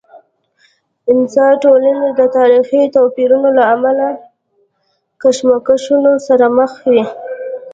انسا ټولنې د تاریخي توپیرونو له امله له کشمکشونو سره مخ وي.